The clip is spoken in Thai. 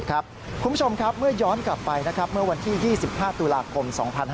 คุณผู้ชมครับเมื่อย้อนกลับไปเมื่อวันที่๒๕ตุลาคม๒๕๕๙